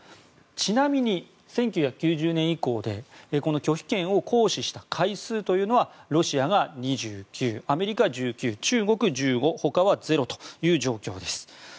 ちなみに、１９９０年以降でこの拒否権を行使した回数というのは、ロシアが２９アメリカは１９、中国１５他はゼロという状況です。